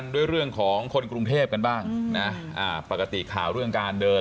ด้วยเรื่องของคนกรุงเทพกันบ้างนะปกติข่าวเรื่องการเดิน